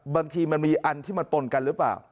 บางทีมันมีอันที่มันปนกันหรือเปล่า